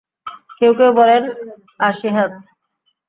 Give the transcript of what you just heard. কেউ কেউ বলেন, আশি হাত।